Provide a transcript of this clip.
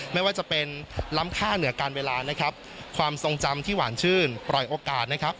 ไม่ว่าจะเป็นล้ำค่าเหนือการเวลานะครับความทรงจำที่หวานชื่นปล่อยโอกาสนะครับ